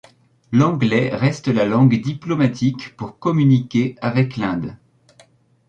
L'Anglais reste la langue diplomatique pour communiquer avec l'Inde.